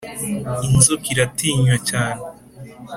Inzoka iratinywa cyane